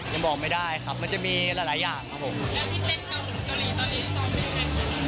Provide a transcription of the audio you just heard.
ยังบอกไม่ได้ครับมันจะมีหลายอย่างครับผม